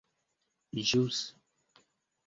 ĵus